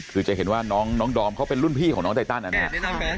คือจะเห็นว่าน้องดอมเขาเป็นรุ่นพี่ของน้องไตตันนะครับ